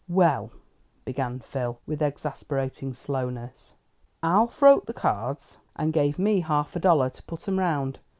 "Well," began Phil, with exasperating slowness, "Alf wrote the cards, and gave me half a dollar to put 'em round.